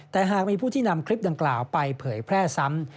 แต่หากมีผู้ที่นำคลิปดังกล่าวไปเผยแพร่ซ้ำ